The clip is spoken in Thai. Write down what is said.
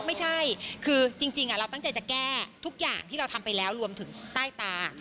ไม่ใช่คือจริงเราตั้งใจจะแก้ทุกอย่างที่เราทำไปแล้วรวมถึงใต้ตา